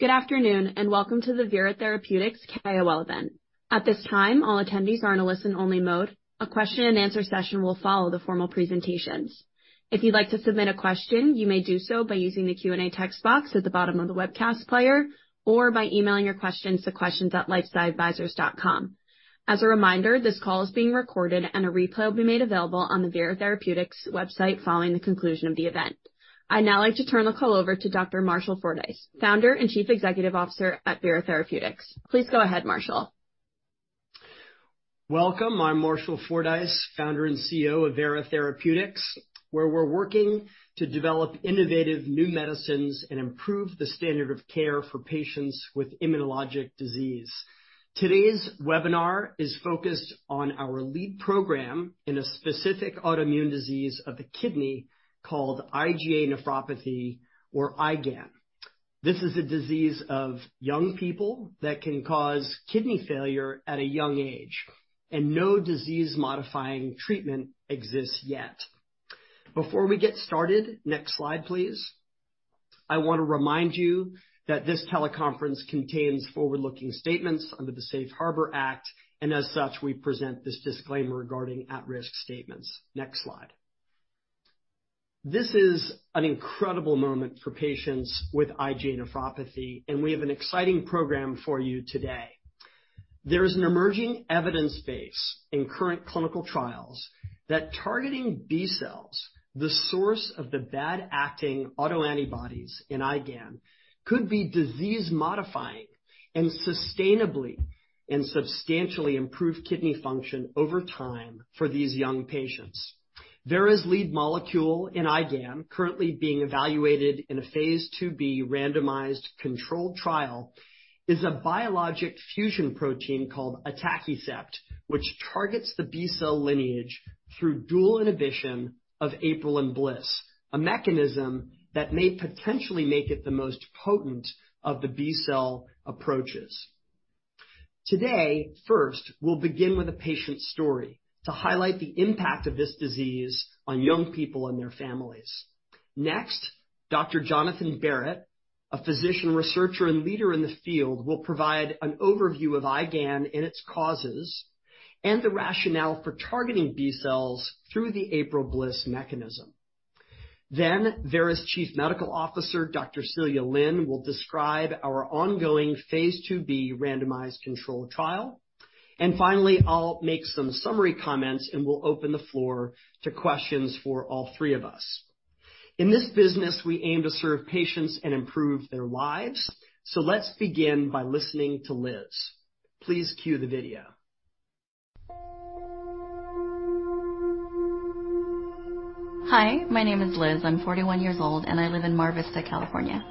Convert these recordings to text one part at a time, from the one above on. Good afternoon, welcome to the Vera Therapeutics KOL event. At this time, all attendees are in a listen-only mode. A question and answer session will follow the formal presentations. If you'd like to submit a question, you may do so by using the Q&A text box at the bottom of the webcast player or by emailing your questions to questions@lifesciadvisors.com. As a reminder, this call is being recorded and a replay will be made available on the Vera Therapeutics website following the conclusion of the event. I'd now like to turn the call over to Dr. Marshall Fordyce, Founder and Chief Executive Officer at Vera Therapeutics. Please go ahead, Marshall. Welcome. I'm Marshall Fordyce, founder and CEO of Vera Therapeutics, where we're working to develop innovative new medicines and improve the standard of care for patients with immunologic disease. Today's webinar is focused on our lead program in a specific autoimmune disease of the kidney called IgA nephropathy or IgAN. This is a disease of young people that can cause kidney failure at a young age. No disease-modifying treatment exists yet. Before we get started, next slide, please. I want to remind you that this teleconference contains forward-looking statements under the Safe Harbor Act. As such, we present this disclaimer regarding at-risk statements. Next slide. This is an incredible moment for patients with IgA nephropathy. We have an exciting program for you today. There is an emerging evidence base in current clinical trials that targeting B-cells, the source of the bad acting autoantibodies in IgAN, could be disease-modifying and sustainably and substantially improve kidney function over time for these young patients. Vera's lead molecule in IgAN, currently being evaluated in a phase IIb randomized controlled trial, is a biologic fusion protein called atacicept, which targets the B-cell lineage through dual inhibition of APRIL and BLyS, a mechanism that may potentially make it the most potent of the B-cell approaches. Today, first, we'll begin with a patient story to highlight the impact of this disease on young people and their families. Dr. Jonathan Barratt, a physician, researcher, and leader in the field, will provide an overview of IgAN and its causes and the rationale for targeting B-cells through the APRIL BLyS mechanism. Vera's Chief Medical Officer, Dr. Celia Lin, will describe our ongoing phase II-B randomized controlled trial. Finally, I'll make some summary comments, and we'll open the floor to questions for all three of us. In this business, we aim to serve patients and improve their lives, let's begin by listening to Liz. Please cue the video. Hi, my name is Liz. I'm 41 years old. I live in Mar Vista, California.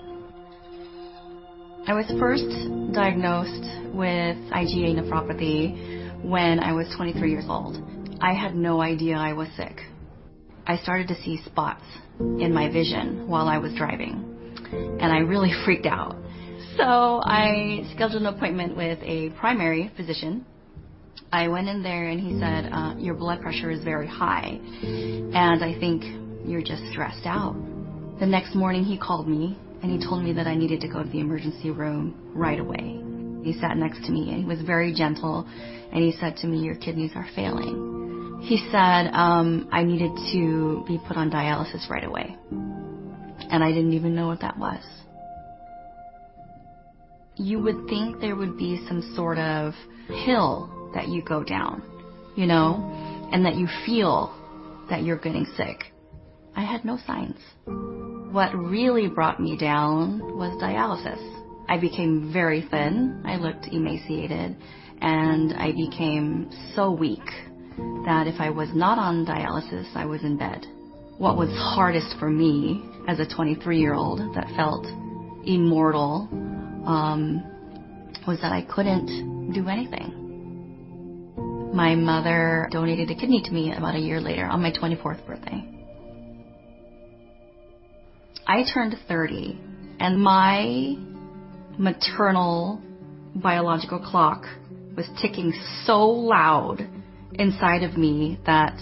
I was first diagnosed with IgA nephropathy when I was 23 years old. I had no idea I was sick. I started to see spots in my vision while I was driving. I really freaked out. I scheduled an appointment with a primary physician. I went in there. He said, "Your blood pressure is very high, and I think you're just stressed out." The next morning, he called me. He told me that I needed to go to the emergency room right away. He sat next to me. He was very gentle. He said to me, "Your kidneys are failing." He said I needed to be put on dialysis right away. I didn't even know what that was. You would think there would be some sort of hill that you go down, you know? That you feel that you're getting sick. I had no signs. What really brought me down was dialysis. I became very thin. I looked emaciated. I became so weak that if I was not on dialysis, I was in bed. What was hardest for me, as a 23-year-old that felt immortal, was that I couldn't do anything. My mother donated a kidney to me about a year later on my 24th birthday. I turned 30, and my maternal biological clock was ticking so loud inside of me that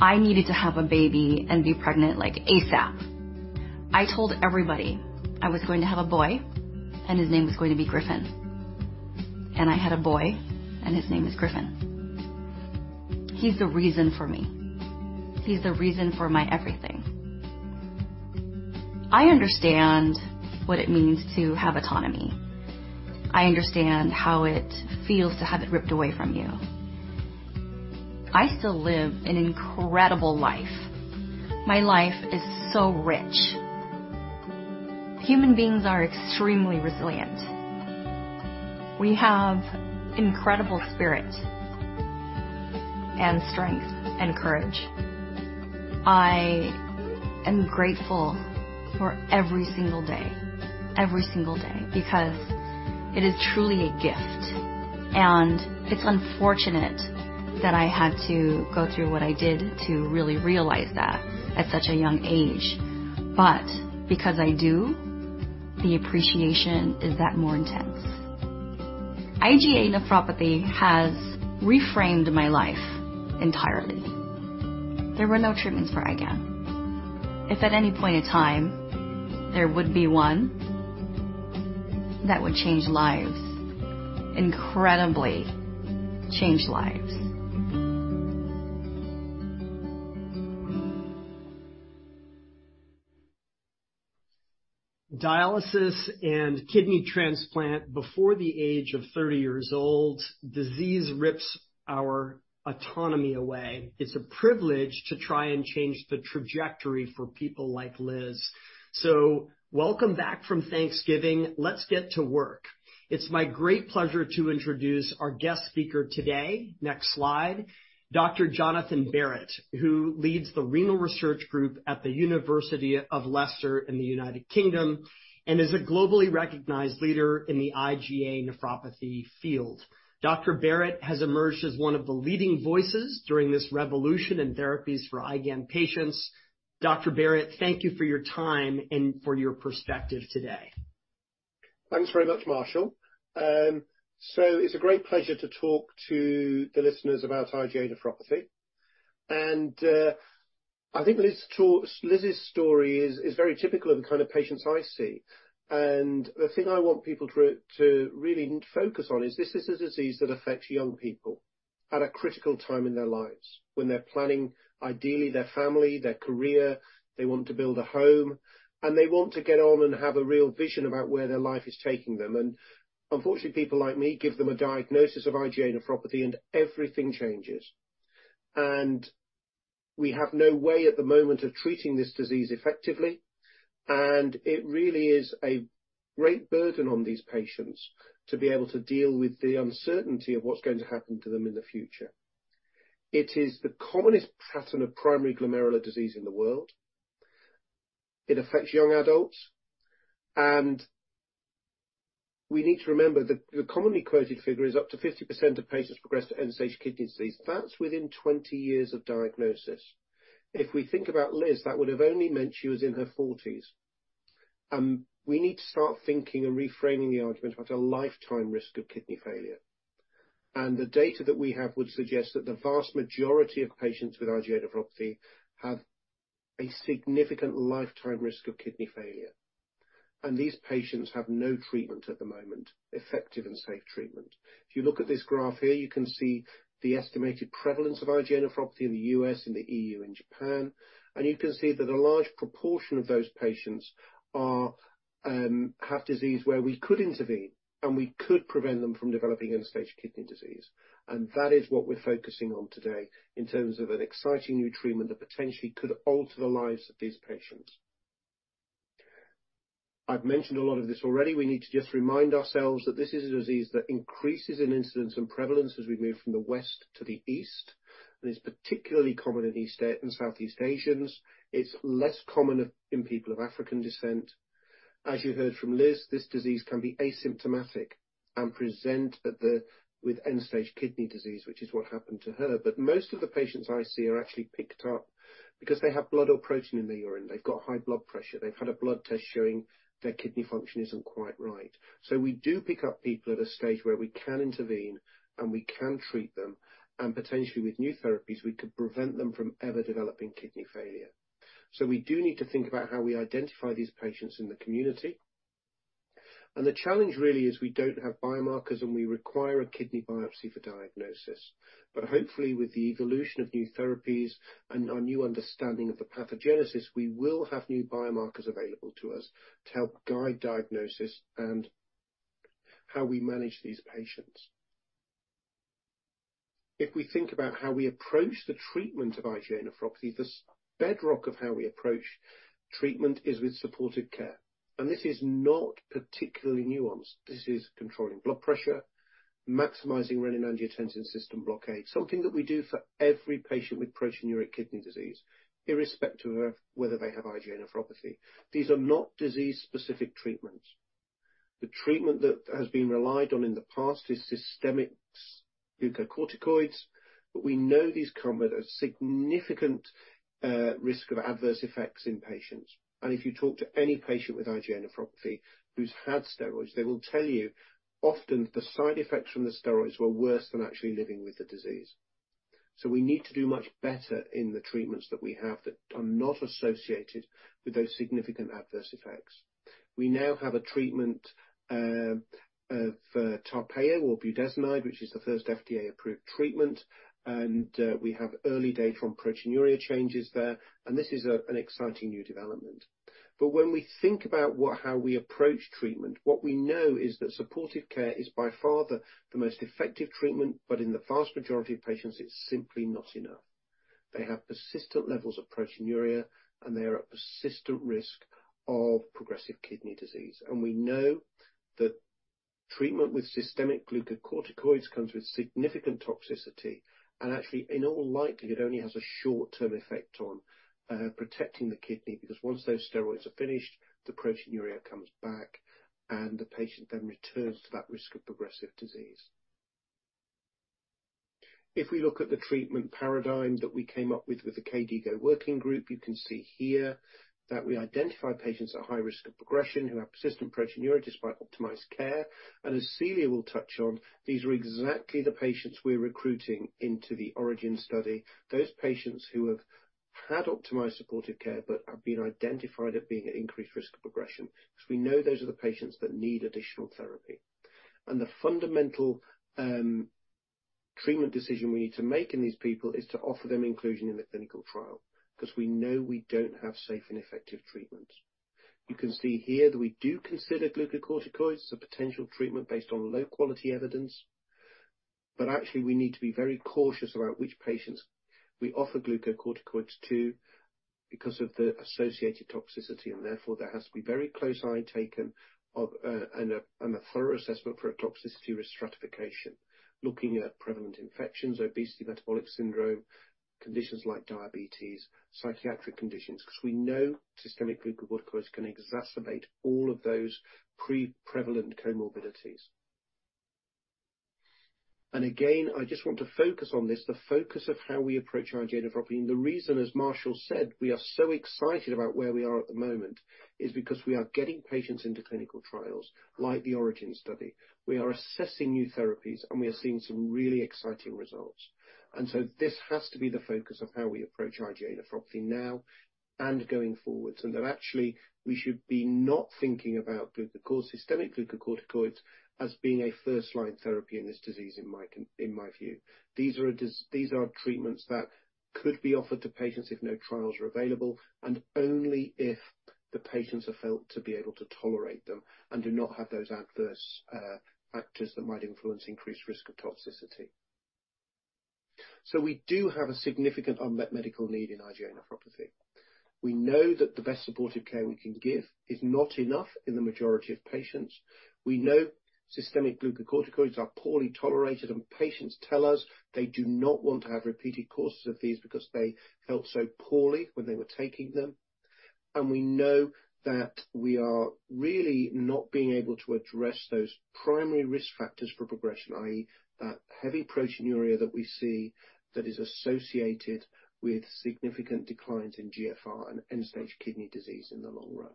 I needed to have a baby and be pregnant, like, ASAP. I told everybody I was going to have a boy, and his name was going to be Griffin. I had a boy, and his name is Griffin. He's the reason for me. He's the reason for my everything. I understand what it means to have autonomy. I understand how it feels to have it ripped away from you. I still live an incredible life. My life is so rich. Human beings are extremely resilient. We have incredible spirit, and strength, and courage. I am grateful for every single day, because it is truly a gift, and it's unfortunate that I had to go through what I did to really realize that at such a young age. Because I do, the appreciation is that more intense. IgA nephropathy has reframed my life entirely. There were no treatments for IgA. If at any point in time there would be one, that would change lives. Incredibly change lives. Dialysis and kidney transplant before the age of 30 years old, disease rips our autonomy away. It's a privilege to try and change the trajectory for people like Liz. Welcome back from Thanksgiving. Let's get to work. It's my great pleasure to introduce our guest speaker today. Next slide. Dr. Jonathan Barratt, who leads the renal research group at the University of Leicester in the United Kingdom and is a globally recognized leader in the IgA nephropathy field. Dr. Barratt has emerged as one of the leading voices during this revolution in therapies for IgA patients. Dr. Barratt, thank you for your time and for your perspective today. Thanks very much, Marshall. It's a great pleasure to talk to the listeners about IgA nephropathy. I think Liz's story is very typical of the kind of patients I see. The thing I want people to really focus on is this is a disease that affects young people at a critical time in their lives when they're planning, ideally, their family, their career, they want to build a home, and they want to get on and have a real vision about where their life is taking them. Unfortunately, people like me give them a diagnosis of IgA nephropathy, and everything changes. We have no way at the moment of treating this disease effectively. It really is a great burden on these patients to be able to deal with the uncertainty of what's going to happen to them in the future. It is the commonest pattern of primary glomerular disease in the world. It affects young adults, we need to remember the commonly quoted figure is up to 50% of patients progress to end-stage kidney disease. That's within 20 years of diagnosis. If we think about Liz, that would have only meant she was in her 40s. We need to start thinking and reframing the argument about a lifetime risk of kidney failure. The data that we have would suggest that the vast majority of patients with IgA nephropathy have a significant lifetime risk of kidney failure. These patients have no treatment at the moment, effective and safe treatment. If you look at this graph here, you can see the estimated prevalence of IgA nephropathy in the U.S., in the EU and Japan. You can see that a large proportion of those patients are have disease where we could intervene, and we could prevent them from developing end-stage kidney disease. That is what we're focusing on today in terms of an exciting new treatment that potentially could alter the lives of these patients. I've mentioned a lot of this already. We need to just remind ourselves that this is a disease that increases in incidence and prevalence as we move from the West to the East, and it's particularly common in East and Southeast Asians. It's less common in people of African descent. As you heard from Liz, this disease can be asymptomatic and present with end-stage kidney disease, which is what happened to her. Most of the patients I see are actually picked up because they have blood or protein in their urine. They've got high blood pressure. They've had a blood test showing their kidney function isn't quite right. We do pick up people at a stage where we can intervene, and we can treat them, and potentially with new therapies, we could prevent them from ever developing kidney failure. We do need to think about how we identify these patients in the community. The challenge really is we don't have biomarkers, and we require a kidney biopsy for diagnosis. Hopefully, with the evolution of new therapies and our new understanding of the pathogenesis, we will have new biomarkers available to us to help guide diagnosis and how we manage these patients. If we think about how we approach the treatment of IgA nephropathy, the bedrock of how we approach treatment is with supportive care. This is not particularly nuanced. This is controlling blood pressure, maximizing renin-angiotensin system blockade, something that we do for every patient with proteinuria kidney disease, irrespective of whether they have IgA nephropathy. These are not disease-specific treatments. The treatment that has been relied on in the past is systemic glucocorticoids, but we know these come with a significant risk of adverse effects in patients. If you talk to any patient with IgA nephropathy who's had steroids, they will tell you often the side effects from the steroids were worse than actually living with the disease. We need to do much better in the treatments that we have that are not associated with those significant adverse effects. We now have a treatment for Tarpeyo or budesonide, which is the first FDA-approved treatment, and we have early data on proteinuria changes there, and this is an exciting new development. When we think about how we approach treatment, what we know is that supportive care is by far the most effective treatment, but in the vast majority of patients, it's simply not enough. They have persistent levels of proteinuria, and they are at persistent risk of progressive kidney disease. We know that treatment with systemic glucocorticoids comes with significant toxicity. Actually in all likelihood, only has a short-term effect on protecting the kidney because once those steroids are finished, the proteinuria comes back, and the patient then returns to that risk of progressive disease. If we look at the treatment paradigm that we came up with with the KDIGO working group, you can see here that we identify patients at high risk of progression who have persistent proteinuria despite optimized care. As Celia will touch on, these are exactly the patients we're recruiting into the ORIGIN study. Those patients who have had optimized supportive care but have been identified at being at increased risk of progression, because we know those are the patients that need additional therapy. The fundamental treatment decision we need to make in these people is to offer them inclusion in the clinical trial, because we know we don't have safe and effective treatments. You can see here that we do consider glucocorticoids a potential treatment based on low-quality evidence. Actually, we need to be very cautious about which patients we offer glucocorticoids to because of the associated toxicity and therefore, there has to be very close eye-taken of, and a thorough assessment for a toxicity risk stratification. Looking at prevalent infections, obesity, metabolic syndrome, conditions like diabetes, psychiatric conditions, because we know systemic glucocorticoids can exacerbate all of those pre-prevalent comorbidities. Again, I just want to focus on this, the focus of how we approach IgA nephropathy. The reason, as Marshall said, we are so excited about where we are at the moment is because we are getting patients into clinical trials like the ORIGIN study. We are assessing new therapies, and we are seeing some really exciting results. This has to be the focus of how we approach IgA nephropathy now and going forwards. That actually we should be not thinking about glucocorticoids, systemic glucocorticoids as being a first-line therapy in this disease, in my view. These are treatments that could be offered to patients if no trials are available, and only if the patients are felt to be able to tolerate them and do not have those adverse factors that might influence increased risk of toxicity. We do have a significant unmet medical need in IgA nephropathy. We know that the best supportive care we can give is not enough in the majority of patients. We know systemic glucocorticoids are poorly tolerated. Patients tell us they do not want to have repeated courses of these because they felt so poorly when they were taking them. We know that we are really not being able to address those primary risk factors for progression, i.e., that heavy proteinuria that we see that is associated with significant declines in GFR and end-stage kidney disease in the long run.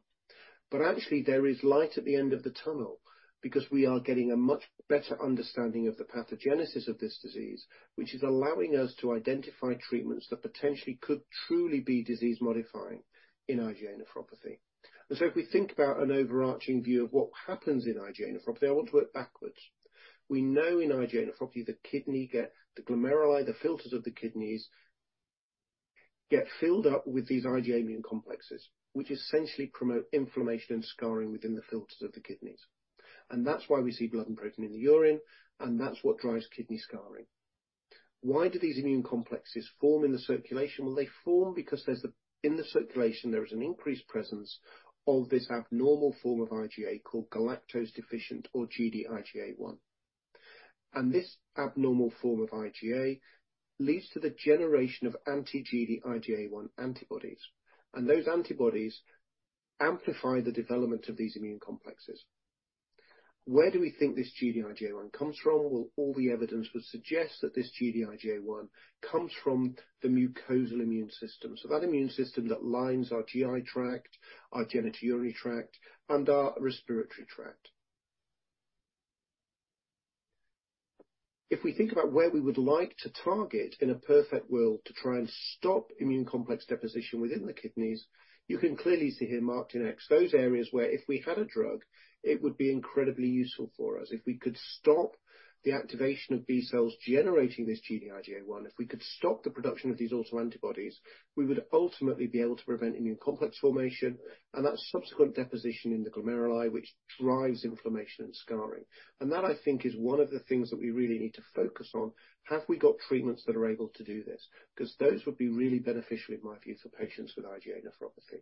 Actually, there is light at the end of the tunnel because we are getting a much better understanding of the pathogenesis of this disease, which is allowing us to identify treatments that potentially could truly be disease-modifying in IgA nephropathy. If we think about an overarching view of what happens in IgA nephropathy, I want to work backwards. We know in IgA nephropathy, the glomeruli, the filters of the kidneys, get filled up with these IgA immune complexes, which essentially promote inflammation and scarring within the filters of the kidneys. That's why we see blood and protein in the urine, and that's what drives kidney scarring. Why do these immune complexes form in the circulation? Well, they form because in the circulation, there is an increased presence of this abnormal form of IgA called galactose-deficient or Gd-IgA1. This abnormal form of IgA leads to the generation of anti-Gd-IgA1 antibodies, and those antibodies amplify the development of these immune complexes. Where do we think this Gd-IgA1 comes from? All the evidence would suggest that this Gd-IgA1 comes from the mucosal immune system. That immune system that lines our GI tract, our genitourinary tract, and our respiratory tract. If we think about where we would like to target in a perfect world to try and stop immune complex deposition within the kidneys, you can clearly see here marked in X those areas where if we had a drug, it would be incredibly useful for us. If we could stop the activation of B-cells generating this Gd-IgA1, if we could stop the production of these autoantibodies, we would ultimately be able to prevent immune complex formation and that subsequent deposition in the glomeruli, which drives inflammation and scarring. That, I think, is one of the things that we really need to focus on. Have we got treatments that are able to do this? Because those would be really beneficial, in my view, for patients with IgA nephropathy.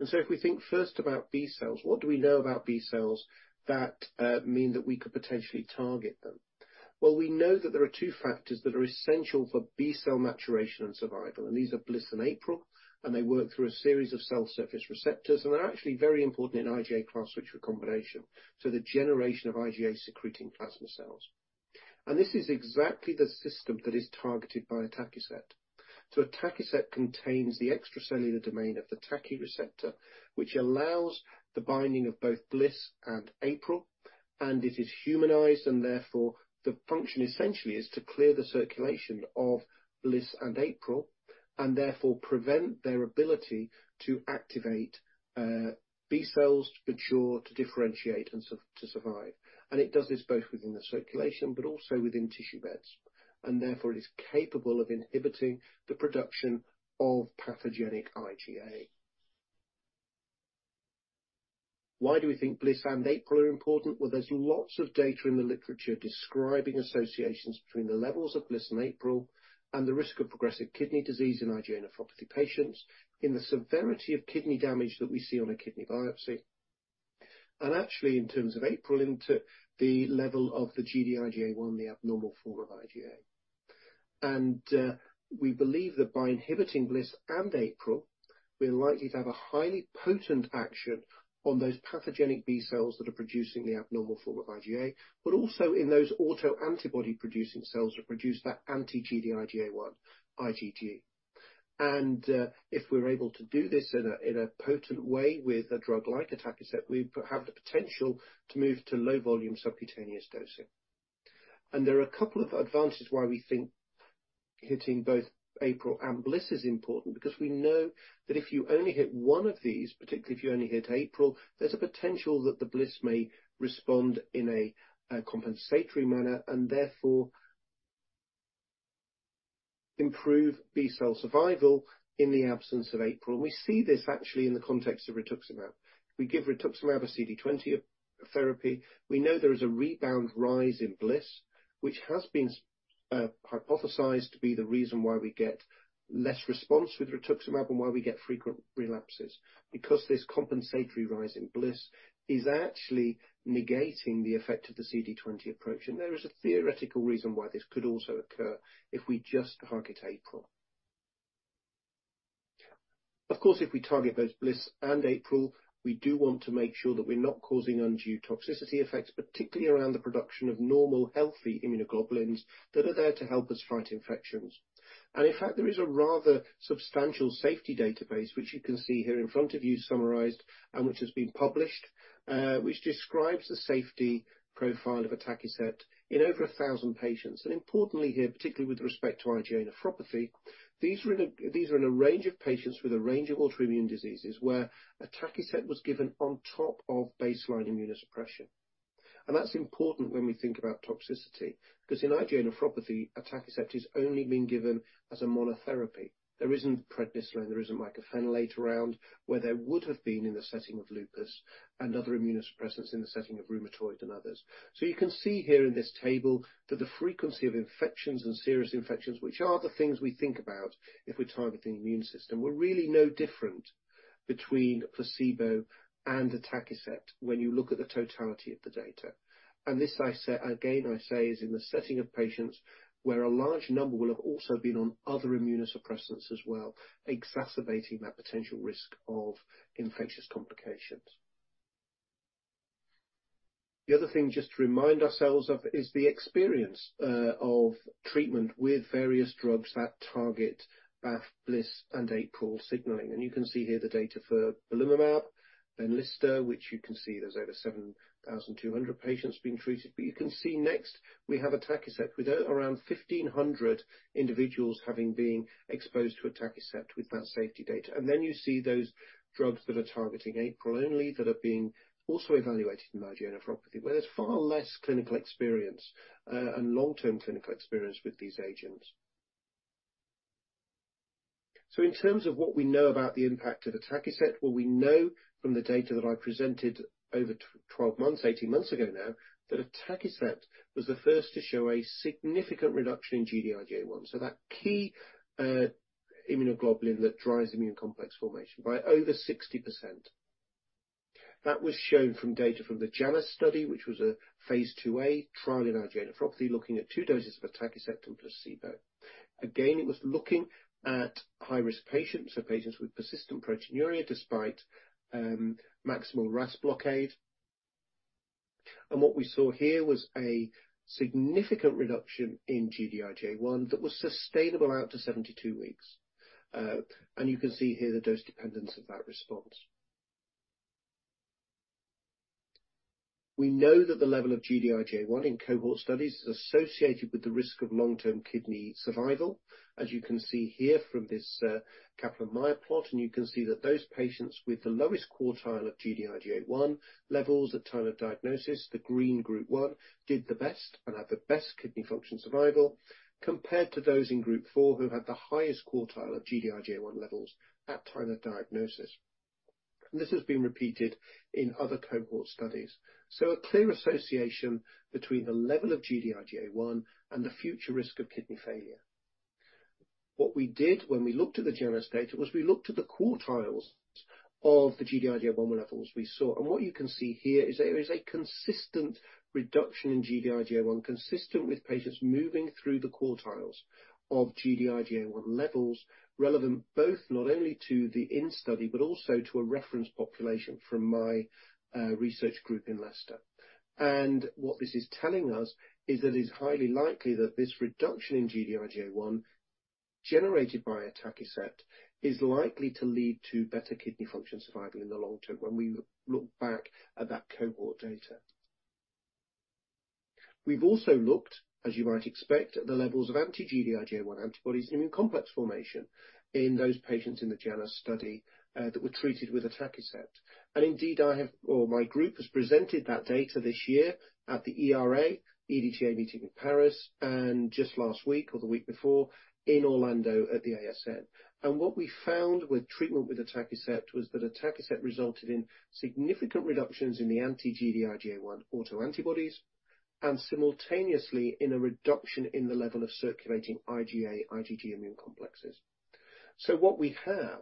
If we think first about B-cells, what do we know about B-cells that mean that we could potentially target them? Well, we know that there are two factors that are essential for B-cell maturation and survival, and these are BLyS and APRIL, and they work through a series of cell surface receptors. They're actually very important in IgA class switch recombination, so the generation of IgA-secreting plasma cells. This is exactly the system that is targeted by atacicept. atacicept contains the extracellular domain of the TACI receptor, which allows the binding of both BLyS and APRIL, and it is humanized and therefore the function essentially is to clear the circulation of BLyS and APRIL and therefore prevent their ability to activate B-cells to mature, to differentiate, and to survive. It does this both within the circulation but also within tissue beds, and therefore it is capable of inhibiting the production of pathogenic IgA. Why do we think BLyS and APRIL are important? Well, there's lots of data in the literature describing associations between the levels of BLyS and APRIL and the risk of progressive kidney disease in IgA nephropathy patients in the severity of kidney damage that we see on a kidney biopsy. In terms of APRIL into the level of the Gd-IgA1, the abnormal form of IgA. And we believe that by inhibiting BLyS and APRIL, we're likely to have a highly potent action on those pathogenic B-cells that are producing the abnormal form of IgA, but also in those autoantibody-producing cells that produce that anti-Gd-IgA1 IgG. If we're able to do this in a potent way with a drug like atacicept, we have the potential to move to low volume subcutaneous dosing. There are a couple of advantages why we think hitting both APRIL and BLyS is important because we know that if you only hit one of these, particularly if you only hit APRIL, there's a potential that the BLyS may respond in a compensatory manner and therefore improve B-cell survival in the absence of APRIL. We see this actually in the context of rituximab. We give rituximab a CD20 therapy. We know there is a rebound rise in BLys, which has been hypothesized to be the reason why we get less response with rituximab and why we get frequent relapses. This compensatory rise in BLys is actually negating the effect of the CD20 approach, and there is a theoretical reason why this could also occur if we just target APRIL. Of course, if we target both BLys and APRIL, we do want to make sure that we're not causing undue toxicity effects, particularly around the production of normal, healthy immunoglobulins that are there to help us fight infections. In fact, there is a rather substantial safety database, which you can see here in front of you summarized, and which has been published, which describes the safety profile of atacicept in over 1,000 patients. Importantly here, particularly with respect to IgA nephropathy, these are in a range of patients with a range of autoimmune diseases where atacicept was given on top of baseline immunosuppression. That's important when we think about toxicity 'cause in IgA nephropathy, atacicept is only being given as a monotherapy. There isn't prednisolone, there isn't mycophenolate around, where there would have been in the setting of lupus and other immunosuppressants in the setting of rheumatoid and others. You can see here in this table that the frequency of infections and serious infections, which are the things we think about if we're targeting the immune system, were really no different between placebo and atacicept when you look at the totality of the data. This again, I say is in the setting of patients where a large number will have also been on other immunosuppressants as well, exacerbating that potential risk of infectious complications. The other thing just to remind ourselves of is the experience of treatment with various drugs that target BAFF, BLyS, and APRIL signaling. You can see here the data for belimumab, Benlysta, which you can see there's over 7,200 patients being treated. You can see next we have atacicept with around 1,500 individuals having been exposed to atacicept with that safety data. You see those drugs that are targeting APRIL only that are being also evaluated in IgA nephropathy, where there's far less clinical experience and long-term clinical experience with these agents. In terms of what we know about the impact of atacicept, well, we know from the data that I presented over 12 months, 18 months ago now, that atacicept was the first to show a significant reduction in Gd-IgA1, so that key immunoglobulin that drives immune complex formation by over 60%. That was shown from data from the JANUS study, which was a phase II-A trial in IgA nephropathy looking at two doses of atacicept and placebo. Again, it was looking at high-risk patients, so patients with persistent proteinuria despite maximal RAS blockade. What we saw here was a significant reduction in Gd-IgA1 that was sustainable out to 72 weeks. You can see here the dose dependence of that response. We know that the level of Gd-IgA1 in cohort studies is associated with the risk of long-term kidney survival, as you can see here from this Kaplan-Meier plot. You can see that those patients with the lowest quartile of Gd-IgA1 levels at time of diagnosis, the green group one, did the best and had the best kidney function survival compared to those in group four who had the highest quartile of Gd-IgA1 levels at time of diagnosis. This has been repeated in other cohort studies. A clear association between the level of Gd-IgA1 and the future risk of kidney failure. What we did when we looked at the JANUS data was we looked at the quartiles of the Gd-IgA1 levels we saw. What you can see here is there is a consistent reduction in Gd-IgA1, consistent with patients moving through the quartiles of Gd-IgA1 levels relevant both, not only to the in-study, but also to a reference population from my research group in Leicester. What this is telling us is that it's highly likely that this reduction in Gd-IgA1 generated by atacicept is likely to lead to better kidney function survival in the long term when we look back at that cohort data. We've also looked, as you might expect, at the levels of anti-Gd-IgA1 antibodies immune complex formation in those patients in the JANUS study that were treated with atacicept. Indeed, my group has presented that data this year at the ERA-EDTA meeting in Paris and just last week or the week before in Orlando at the ASN. What we found with treatment with atacicept was that atacicept resulted in significant reductions in the anti-Gd-IgA1 autoantibodies and simultaneously in a reduction in the level of circulating IgA, IgG immune complexes. What we have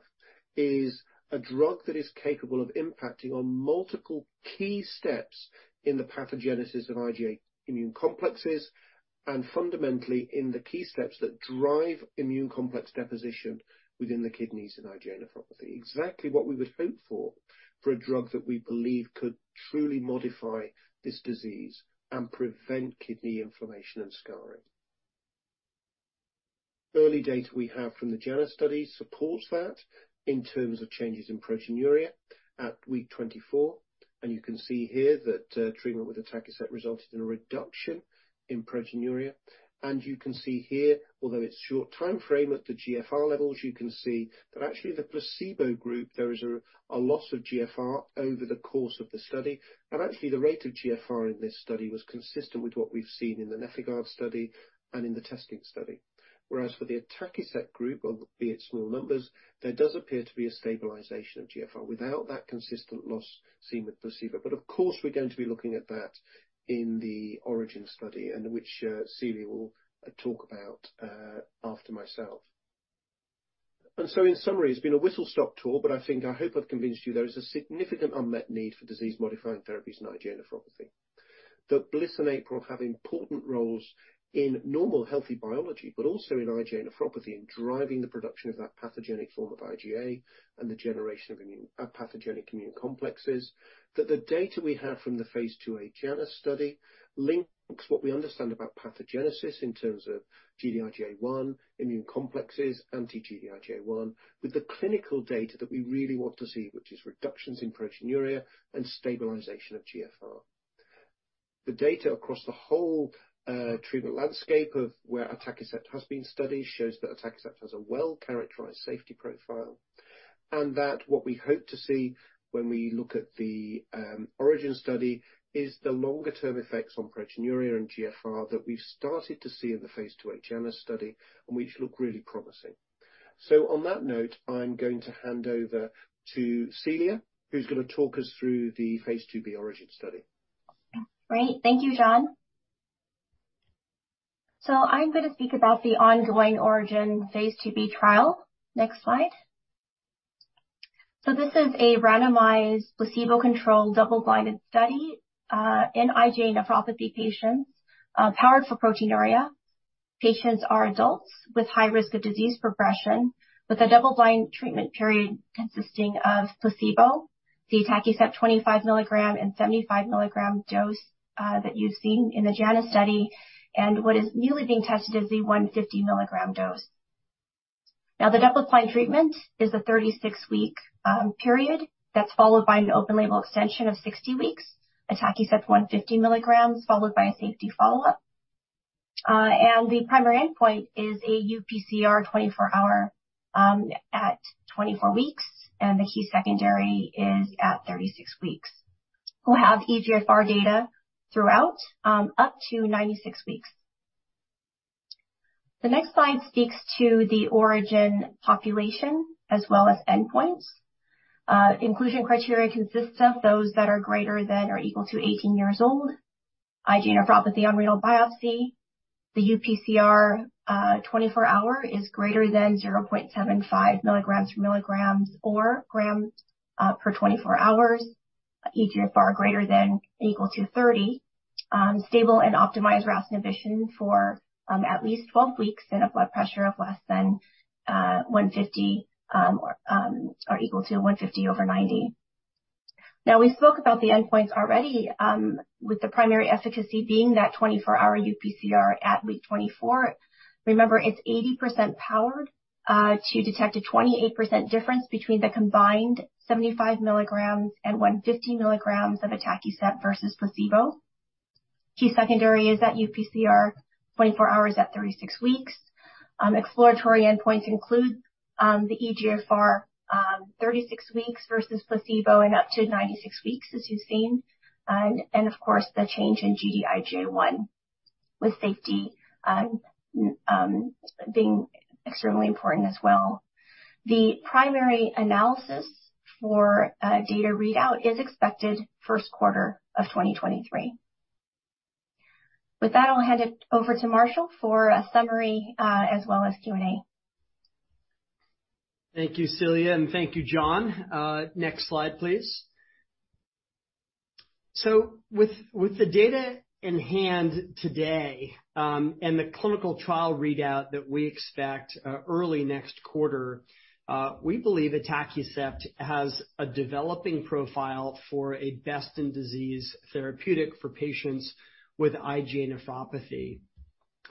is a drug that is capable of impacting on multiple key steps in the pathogenesis of IgA immune complexes and fundamentally in the key steps that drive immune complex deposition within the kidneys in IgA nephropathy. Exactly what we would hope for a drug that we believe could truly modify this disease and prevent kidney inflammation and scarring. Early data we have from the JANUS study supports that in terms of changes in proteinuria at week 24. You can see here that treatment with atacicept resulted in a reduction in proteinuria. You can see here, although it's short timeframe at the GFR levels, you can see that actually the placebo group, there is a loss of GFR over the course of the study. Actually, the rate of GFR in this study was consistent with what we've seen in the NefIgArd study and in the TESTING study. Whereas for the atacicept group, albeit small numbers, there does appear to be a stabilization of GFR without that consistent loss seen with placebo. Of course, we're going to be looking at that in the ORIGIN study and which Celia will talk about after myself. In summary, it's been a whistle-stop tour, but I think I hope I've convinced you there is a significant unmet need for disease-modifying therapies in IgA nephropathy. BLyS and APRIL have important roles in normal healthy biology, but also in IgA nephropathy in driving the production of that pathogenic form of IgA and the generation of pathogenic immune complexes. The data we have from the phase II-A JANUS study links what we understand about pathogenesis in terms of Gd-IgA1, immune complexes, anti-Gd-IgA1, with the clinical data that we really want to see, which is reductions in proteinuria and stabilization of GFR. The data across the whole treatment landscape of where atacicept has been studied shows that atacicept has a well-characterized safety profile, and that what we hope to see when we look at the ORIGIN study is the longer-term effects on proteinuria and GFR that we've started to see in the phase II-A JANUS study, and which look really promising. On that note, I'm going to hand over to Celia, who's gonna talk us through the phase II-B ORIGIN study. Great. Thank you, John. I'm gonna speak about the ongoing ORIGIN phase II-B trial. Next slide. This is a randomized, placebo-controlled, double-blinded study in IgA nephropathy patients powered for proteinuria. Patients are adults with high risk of disease progression, with a double-blind treatment period consisting of placebo, the atacicept 25 mg and 75 mg dose that you've seen in the JANUS study, and what is newly being tested is the 150 mg dose. The double-blind treatment is a 36-week period that's followed by an open-label extension of 60 weeks. Atacicept 150 mg followed by a safety follow-up. The primary endpoint is a UPCR 24-hour at 24 weeks, and the key secondary is at 36 weeks. We'll have eGFR data throughout up to 96 weeks. The next slide speaks to the ORIGIN population as well as endpoints. Inclusion criteria consists of those that are greater than or equal to 18 years old, IgA nephropathy on renal biopsy. The UPCR 24-hour is greater than 0.75 mg [per milligrams or grams] per 24 hours. eGFR ≥30. Stable and optimized RAS inhibition for at least 12 weeks, and a blood pressure of <150 or =150/90. Now, we spoke about the endpoints already, with the primary efficacy being that 24-hour UPCR at week 24. Remember, it's 80% powered to detect a 28% difference between the combined 75 mg and 150 mg of atacicept versus placebo. Key secondary is that UPCR 24-hours at 36 weeks. Exploratory endpoints include the eGFR, 36 weeks versus placebo and up to 96 weeks, as you've seen. Of course, the change in Gd-IgA1 with safety being extremely important as well. The primary analysis for data readout is expected first quarter of 2023. With that, I'll hand it over to Marshall for a summary, as well as Q&A. Thank you, Celia, and thank you, John. Next slide, please. With the data in hand today, and the clinical trial readout that we expect early next quarter, we believe atacicept has a developing profile for a best-in-disease therapeutic for patients with IgA nephropathy.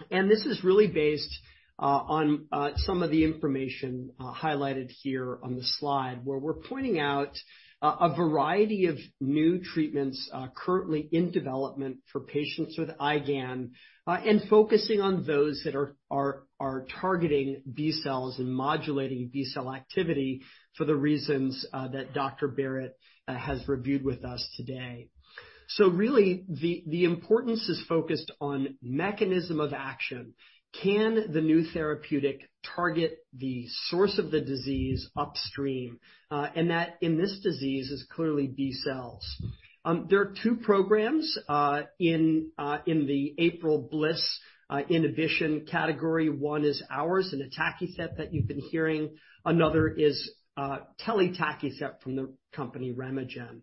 This is really based on some of the information highlighted here on the slide, where we're pointing out a variety of new treatments currently in development for patients with IgAN, and focusing on those that are targeting B-cells and modulating B-cell activity for the reasons that Dr. Barratt has reviewed with us today. Really, the importance is focused on mechanism of action. Can the new therapeutic target the source of the disease upstream? That in this disease is clearly B-cells. There are two programs in the APRIL BLyS inhibition category. One is ours, an atacicept that you've been hearing. Another is telitacicept from the company RemeGen.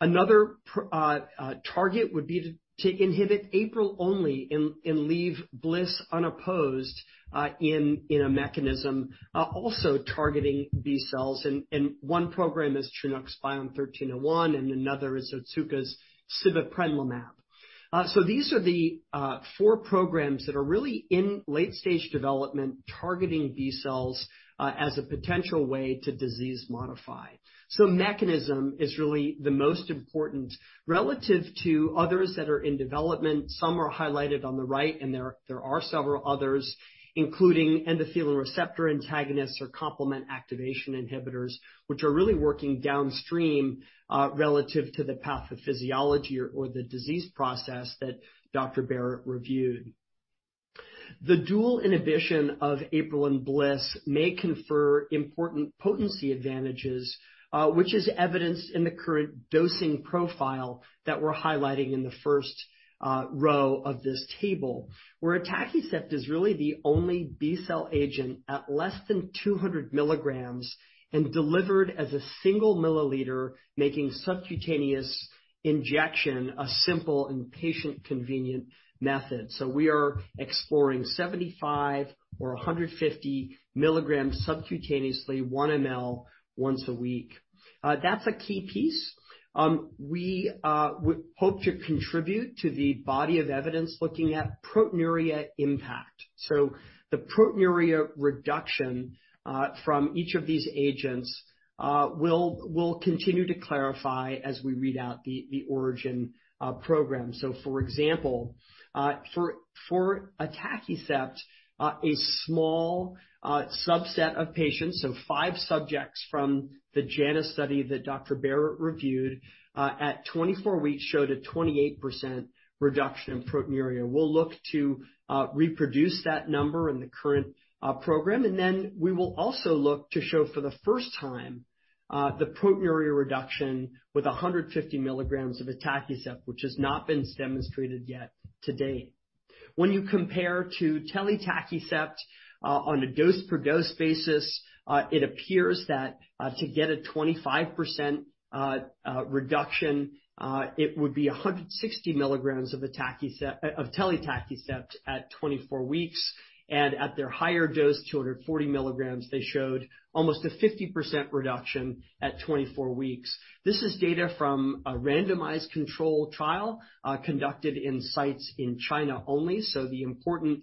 Another target would be to inhibit APRIL only and leave BLyS unopposed in a mechanism also targeting B-cells. One program is Chinook BION-1301, another is Otsuka's sibeprenlimab. These are the four programs that are really in late-stage development targeting B-cells as a potential way to disease modify. Mechanism is really the most important relative to others that are in development. Some are highlighted on the right, and there are several others, including endothelial receptor antagonists or complement activation inhibitors, which are really working downstream relative to the pathophysiology or the disease process that Dr. Barratt reviewed. The dual inhibition of APRIL and BLyS may confer important potency advantages, which is evidenced in the current dosing profile that we're highlighting in the first row of this table, where atacicept is really the only B-cell agent at less than 200 mg and delivered as a single milliliter, making subcutaneous injection a simple and patient-convenient method. We are exploring 75 mg or 150 mg subcutaneously, 1 ml once a week. That's a key piece. We hope to contribute to the body of evidence looking at proteinuria impact. The proteinuria reduction from each of these agents, we'll continue to clarify as we read out the ORIGIN program. For example, for atacicept, a small subset of patients, five subjects from the JANUS study that Dr. Barratt reviewed at 24 weeks showed a 28% reduction in proteinuria. We'll look to reproduce that number in the current program. We will also look to show for the first time the proteinuria reduction with 150 mg of atacicept, which has not been demonstrated yet to date. When you compare to telitacicept on a dose-per-dose basis, it appears that to get a 25% reduction, it would be 160 mg of telitacicept at 24 weeks. At their higher dose, 240 mg, they showed almost a 50% reduction at 24 weeks. This is data from a randomized control trial conducted in sites in China only. The important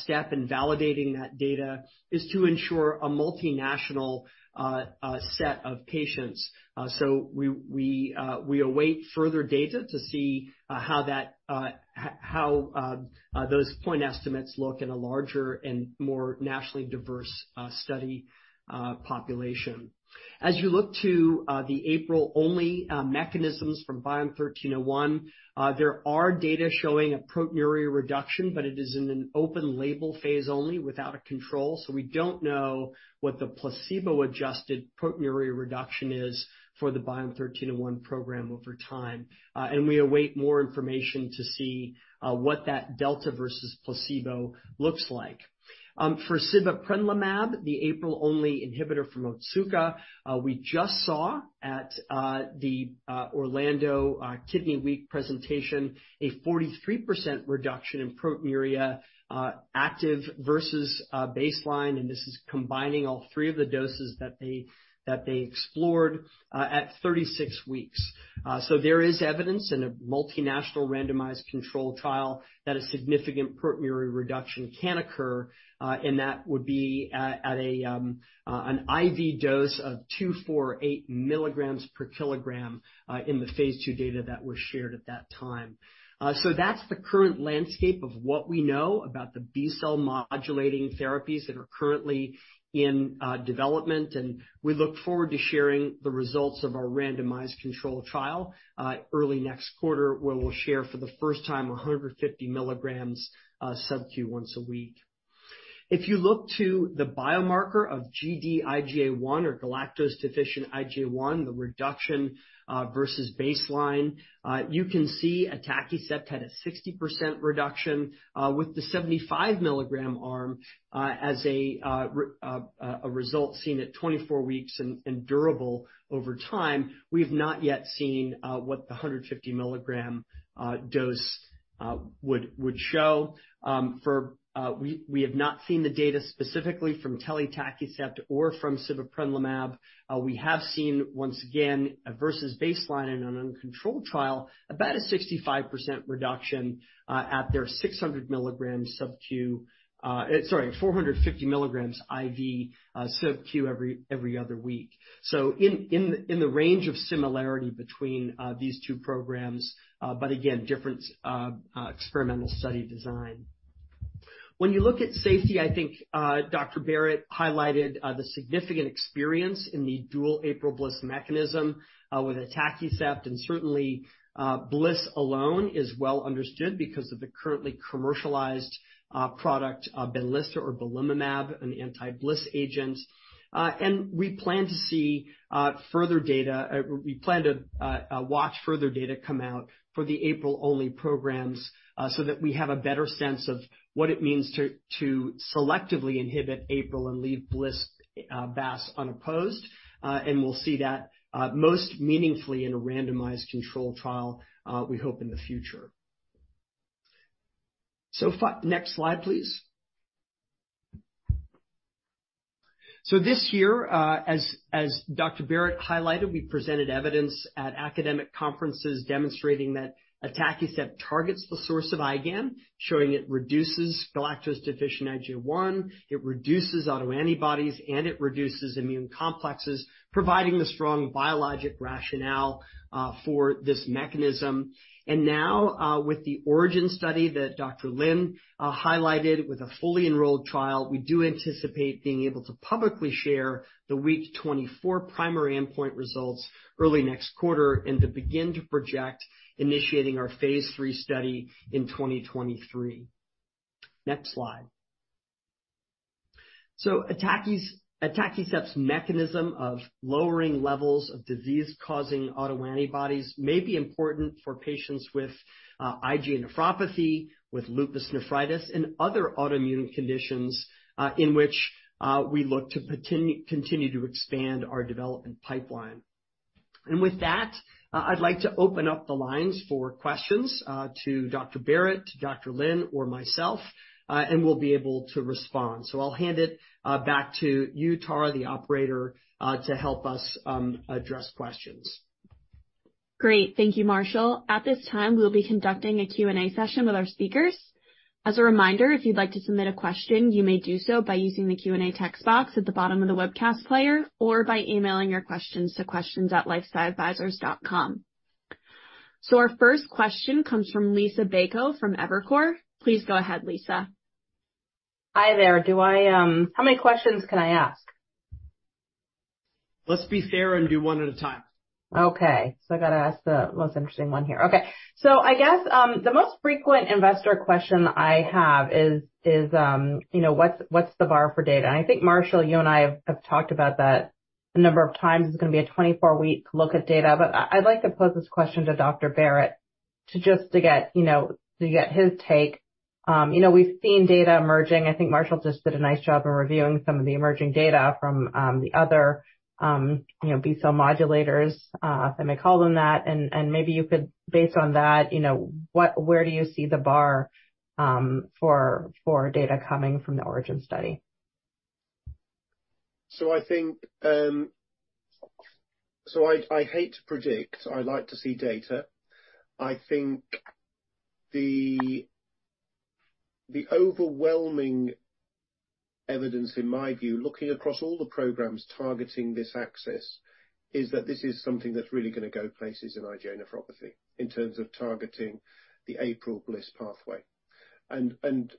step in validating that data is to ensure a multinational set of patients. We await further data to see how those point estimates look in a larger and more nationally diverse study population. As you look to the APRIL only mechanisms from BION-1301, there are data showing a proteinuria reduction, but it is in an open label phase only without a control, so we don't know what the placebo-adjusted proteinuria reduction is for the BION-1301 program over time. We await more information to see what that delta versus placebo looks like. For sibeprenlimab, the APRIL-only inhibitor from Otsuka, we just saw at the Orlando Kidney Week presentation, a 43% reduction in proteinuria, active versus baseline, and this is combining all three of the doses that they explored at 36 weeks. There is evidence in a multinational randomized controlled trial that a significant proteinuria reduction can occur, and that would be at an IV dose of 248 mg per kilogram in the phase II data that was shared at that time. That's the current landscape of what we know about the B-cell modulating therapies that are currently in development, and we look forward to sharing the results of our randomized controlled trial early next quarter, where we'll share for the first time 150 mg sub-Q once a week. If you look to the biomarker of Gd-IgA1 or galactose-deficient IgA1, the reduction versus baseline, you can see atacicept had a 60% reduction with the 75 mg um as a result seen at 24 weeks and durable over time. We've not yet seen what the 150 mg dose would show. We have not seen the data specifically from telitacicept or from sibeprenlimab. We have seen, once again, versus baseline in an uncontrolled trial, about a 65% reduction at their 600 mg sub-Q, sorry, 450 mg IV sub-Q every other week. In the range of similarity between these two programs, but again, different experimental study design. When you look at safety, I think Dr. Barratt highlighted, the significant experience in the dual APRIL BLyS mechanism, with atacicept and certainly, BLyS alone is well understood because of the currently commercialized, product, Benlysta or belimumab, an anti-BLyS agent. We plan to see, further data. We plan to, watch further data come out for the APRIL only programs, so that we have a better sense of what it means to selectively inhibit APRIL and leave BLyS unopposed. We'll see that, most meaningfully in a randomized controlled trial, we hope in the future. Next slide, please. This year, as Dr. Barratt highlighted, we presented evidence at academic conferences demonstrating that atacicept targets the source of IgAN, showing it reduces galactose-deficient IgA1, it reduces autoantibodies, and it reduces immune complexes, providing the strong biologic rationale for this mechanism. Now, with the ORIGIN study that Dr. Lin highlighted with a fully enrolled trial, we do anticipate being able to publicly share the week 24 primary endpoint results early next quarter and to begin to project initiating our phase III study in 2023. Next slide. Atacicept's mechanism of lowering levels of disease causing autoantibodies may be important for patients with IgA nephropathy, with lupus nephritis, and other autoimmune conditions in which we look to continue to expand our development pipeline. With that, I'd like to open up the lines for questions to Dr. Barratt, Dr. Lin, or myself, and we'll be able to respond. I'll hand it back to you, Tara, the operator, to help us address questions. Great. Thank you, Marshall. At this time, we'll be conducting a Q&A session with our speakers. As a reminder, if you'd like to submit a question, you may do so by using the Q&A text box at the bottom of the webcast player or by emailing your questions to questions@lifesciadvisors.com. Our first question comes from Liisa Bayko from Evercore. Please go ahead, Liisa. Hi there. How many questions can I ask? Let's be fair and do one at a time. Okay, I gotta ask the most interesting one here. Okay, I guess, you know, what's the bar for data? I think, Marshall, you and I have talked about that a number of times. It's gonna be a 24-week look at data. I'd like to pose this question to Dr. Barratt to get, you know, to get his take. You know, we've seen data emerging. I think Marshall just did a nice job in reviewing some of the emerging data from the other, you know, B-cell modulators, if I may call them that. Maybe you could, based on that, you know, where do you see the bar for data coming from the ORIGIN study? I think. I hate to predict. I like to see data. I think the overwhelming evidence, in my view, looking across all the programs targeting this axis, is that this is something that's really gonna go places in IgA nephropathy in terms of targeting the APRIL BLyS pathway.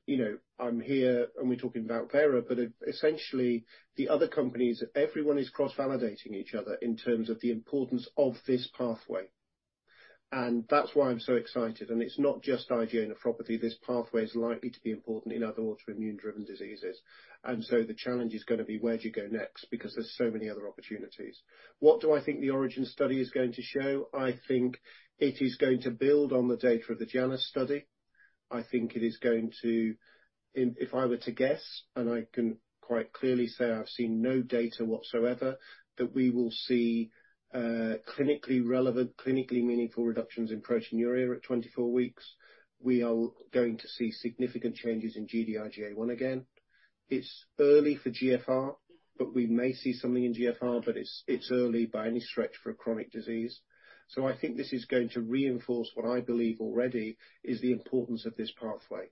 you know, I'm here and we're talking about Vera, but essentially the other companies, everyone is cross-validating each other in terms of the importance of this pathway. That's why I'm so excited. It's not just IgA nephropathy. This pathway is likely to be important in other autoimmune driven diseases. The challenge is gonna be where do you go next? Because there's so many other opportunities. What do I think the ORIGIN study is going to show? I think it is going to build on the data of the JANUS study. I think it is going to, if I were to guess, and I can quite clearly say I've seen no data whatsoever, that we will see clinically relevant, clinically meaningful reductions in proteinuria at 24 weeks. We are going to see significant changes in Gd-IgA1 again. It's early for GFR, but we may see something in GFR, but it's early by any stretch for a chronic disease. I think this is going to reinforce what I believe already is the importance of this pathway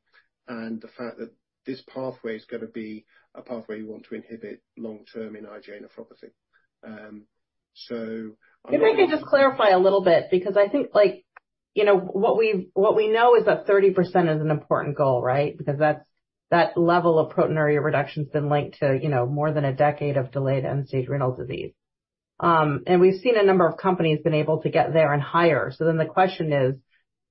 and the fact that this pathway is gonna be a pathway you want to inhibit long-term in IgA nephropathy. If I could just clarify a little bit, because I think, like, you know, what we, what we know is that 30% is an important goal, right? Because that's, that level of proteinuria reduction has been linked to, you know, more than a decade of delayed end-stage renal disease. And we've seen a number of companies been able to get there and higher. The question is,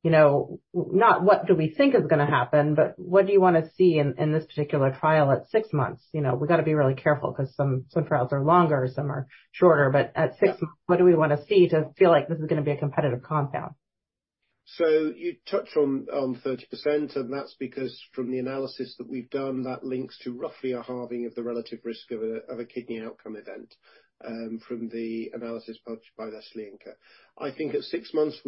you know, not what do we think is gonna happen, but what do you wanna see in this particular trial at six months? You know, we've got to be really careful 'cause some trials are longer, some are shorter. At six months, what do we wanna see to feel like this is gonna be a competitive compound? You touched on 30%, and that's because from the analysis that we've done, that links to roughly a halving of the relative risk of a kidney outcome event from the analysis published by Vasilenko. I think at six months,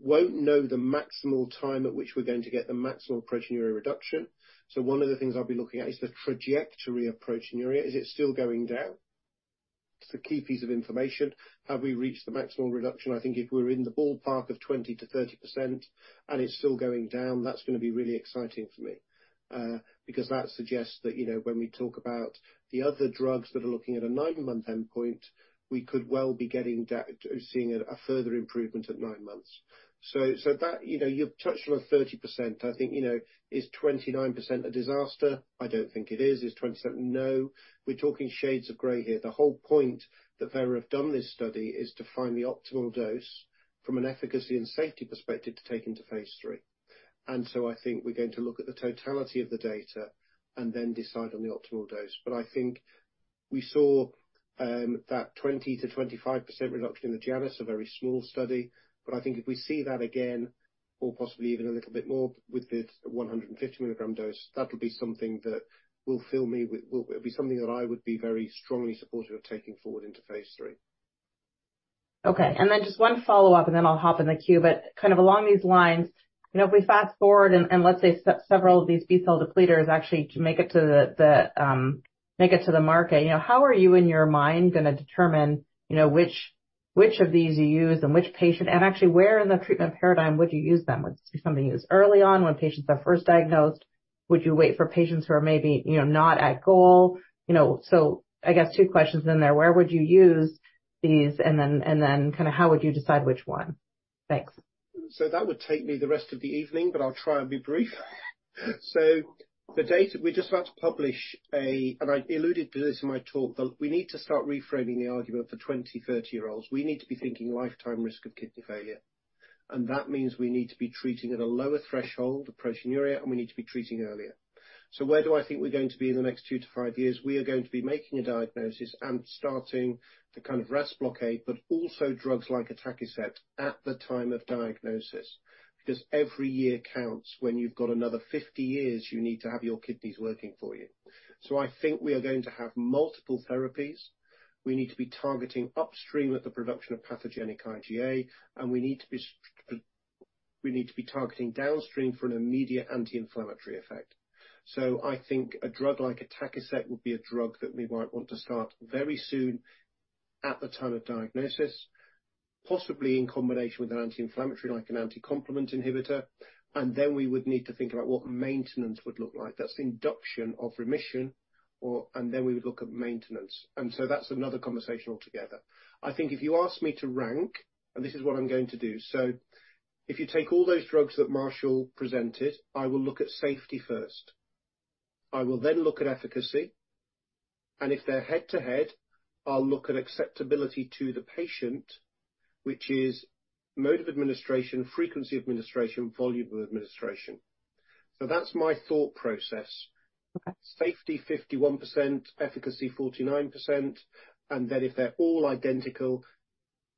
we won't know the maximal time at which we're going to get the maximal proteinuria reduction. One of the things I'll be looking at is the trajectory of proteinuria. Is it still going down? It's the key piece of information. Have we reached the maximum reduction? I think if we're in the ballpark of 20%-30% and it's still going down, that's gonna be really exciting for me because that suggests that, you know, when we talk about the other drugs that are looking at a nine-month endpoint, we could well be seeing a further improvement at nine months. That, you know, you've touched on 30%. I think, you know, is 29% a disaster? I don't think it is. Is 27%? No. We're talking shades of gray here. The whole point that Vera have done this study is to find the optimal dose from an efficacy and safety perspective to take into phase III. I think we're going to look at the totality of the data and then decide on the optimal dose. I think we saw that 20%-25% reduction in the JANUS, a very small study. I think if we see that again or possibly even a little bit more with the 150 mg dose, that would be something that will fill me with... It'll be something that I would be very strongly supportive of taking forward into phase III. Just one follow-up, and then I'll hop in the queue. Kind of along these lines, you know, if we fast-forward and let's say several of these B-cell depleters actually make it to the make it to the market, you know, how are you, in your mind, gonna determine, you know, which of these you use and which patient, and actually where in the treatment paradigm would you use them? Would this be something you use early on when patients are first diagnosed? Would you wait for patients who are maybe, you know, not at goal? You know, I guess two questions in there. Where would you use these, and then kinda how would you decide which one? Thanks. That would take me the rest of the evening, but I'll try and be brief. The data we're just about to publish. I alluded to this in my talk, but we need to start reframing the argument for 20, 30-year-olds. We need to be thinking lifetime risk of kidney failure. That means we need to be treating at a lower threshold of proteinuria, and we need to be treating earlier. Where do I think we're going to be in the next two to five years? We are going to be making a diagnosis and starting the kind of RAS blockade, but also drugs like atacicept at the time of diagnosis. Every year counts when you've got another 50 years, you need to have your kidneys working for you. I think we are going to have multiple therapies. We need to be targeting upstream of the production of pathogenic IgA, and we need to be targeting downstream for an immediate anti-inflammatory effect. I think a drug like atacicept would be a drug that we might want to start very soon at the time of diagnosis, possibly in combination with an anti-inflammatory, like an anticomplement inhibitor. Then we would need to think about what maintenance would look like. That's the induction of remission or, then we would look at maintenance. That's another conversation altogether. I think if you ask me to rank, and this is what I'm going to do. If you take all those drugs that Marshall presented, I will look at safety first. I will then look at efficacy. If they're head to head, I'll look at acceptability to the patient, which is mode of administration, frequency of administration, volume of administration. That's my thought process. Okay. Safety 51%, efficacy 49%, and then if they're all identical,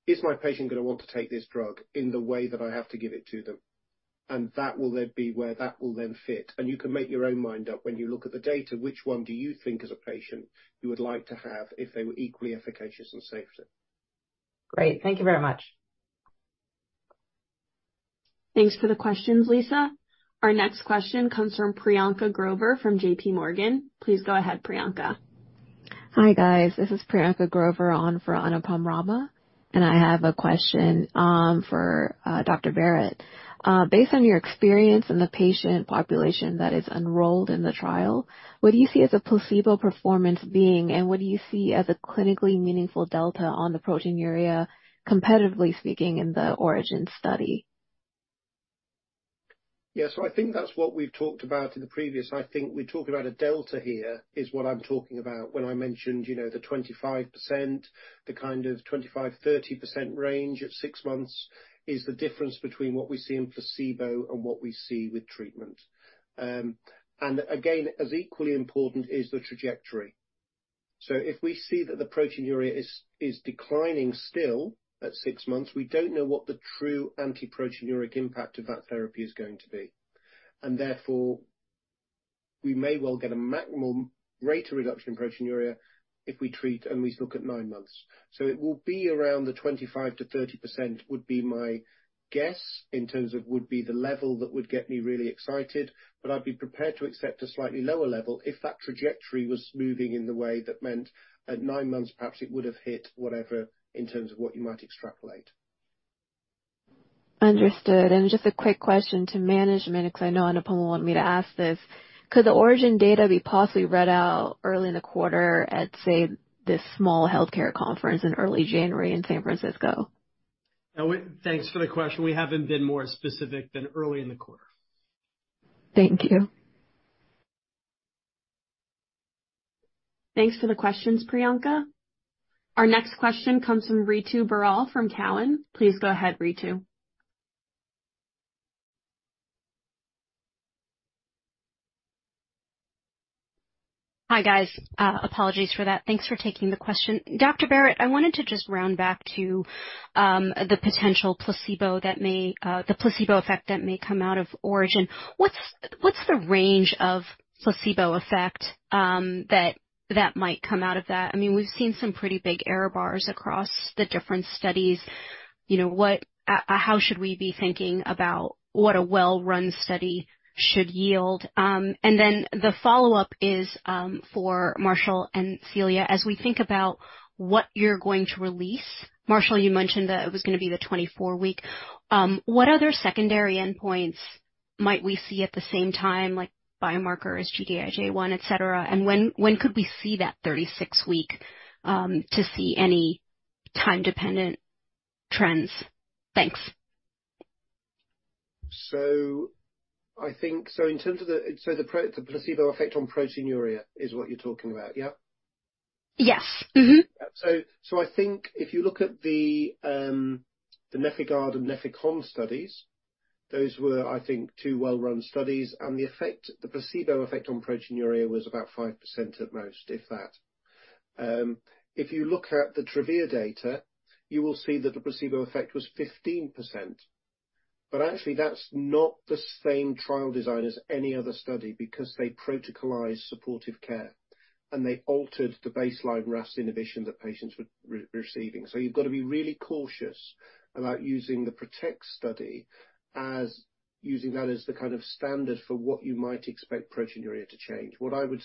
is my patient gonna want to take this drug in the way that I have to give it to them? That will then be where that will then fit. You can make your own mind up when you look at the data, which one do you think as a patient you would like to have if they were equally efficacious and safe. Great. Thank you very much. Thanks for the questions, Lisa. Our next question comes from Priyanka Grover from JP Morgan. Please go ahead, Priyanka. Hi, guys. This is Priyanka Grover on for Anupam Rama, and I have a question for Dr. Barratt. Based on your experience and the patient population that is enrolled in the trial, what do you see as a placebo performance being, and what do you see as a clinically meaningful delta on the proteinuria, competitively speaking, in the ORIGIN study? I think that's what we've talked about in the previous. I think we talk about a delta here is what I'm talking about when I mentioned, you know, the 25%, the kind of 25%-30% range at six months is the difference between what we see in placebo and what we see with treatment. Again, as equally important is the trajectory. If we see that the proteinuria is declining still at six months, we don't know what the true anti-proteinuric impact of that therapy is going to be. Therefore, we may well get a maximum rate of reduction in proteinuria if we treat and we look at nine months. It will be around the 25%-30% would be my guess in terms of would be the level that would get me really excited, but I'd be prepared to accept a slightly lower level if that trajectory was moving in the way that meant at nine months perhaps it would have hit whatever in terms of what you might extrapolate. Understood. Just a quick question to management, because I know Anupam wanted me to ask this. Could the ORIGIN data be possibly read out early in the quarter at, say, this small healthcare conference in early January in San Francisco? No. Thanks for the question. We haven't been more specific than early in the quarter. Thank you. Thanks for the questions, Priyanka. Our next question comes from Ritu Baral from Cowen. Please go ahead, Ritu. Hi, guys. Apologies for that. Thanks for taking the question. Dr. Barratt, I wanted to just round back to the placebo effect that may come out of ORIGIN. What's the range of placebo effect that might come out of that? I mean, we've seen some pretty big error bars across the different studies. You know, what, how should we be thinking about what a well-run study should yield? The follow-up is for Marshall and Celia. As we think about what you're going to release, Marshall, you mentioned that it was gonna be the 24-week. What other secondary endpoints might we see at the same time, like biomarkers, Gd-IgA1, et cetera? When, when could we see that 36-week to see any time-dependent trends? Thanks. I think in terms of the placebo effect on proteinuria is what you're talking about, yeah? Yes. Mm-hmm. I think if you look at the NefIgArd and NEFIGAN studies, those were, I think, two well-run studies. The effect, the placebo effect on proteinuria was about 5% at most, if that. If you look at the VISIONARY data, you will see that the placebo effect was 15%. Actually, that's not the same trial design as any other study because they protocolized supportive care, and they altered the baseline RAS inhibition that patients were re-receiving. You've got to be really cautious about using the PROTECT study as using that as the kind of standard for what you might expect proteinuria to change. What I would